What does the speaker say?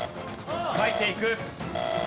書いていく。